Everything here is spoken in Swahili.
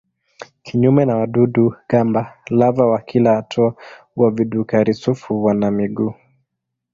Kinyume na wadudu-gamba lava wa kila hatua wa vidukari-sufu wana miguu.